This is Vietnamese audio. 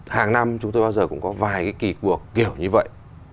hàng năm chúng tôi bao giờ cũng có vài cái kỳ cuộc kiểu như vậy